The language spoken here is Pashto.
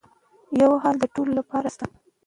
یو حل د ټولو لپاره نه شته.